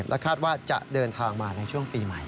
คาดว่าจะเดินทางมาในช่วงปีใหม่